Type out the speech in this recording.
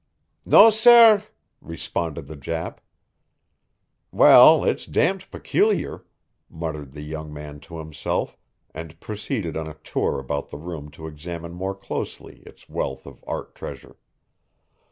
"No, sair," responded the Jap. "Well, it's damned peculiar!" muttered the young man to himself, and proceeded on a tour about the room to examine more closely its wealth of art treasure.